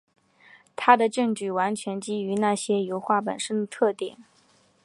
他的证据完全基于那些油画本身的特点。